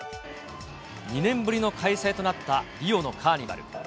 ２年ぶりの開催となったリオのカーニバル。